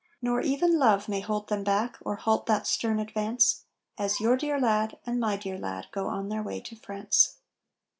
Nor even love may hold them back, or halt that stern advance, As your dear lad, and my dear lad, go on their way to France.